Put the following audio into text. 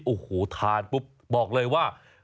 โอ้โหทานปุ๊บบอกเลยว่า